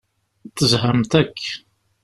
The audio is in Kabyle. Tezhamt akk.